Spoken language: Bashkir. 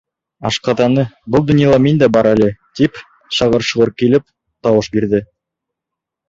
Ашҡаҙаны, был донъяла мин дә бар әле, тип «шағыр-шоғор» килеп тауыш бирҙе.